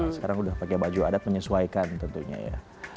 sekarang udah pakai baju adat menyesuaikan tentunya ya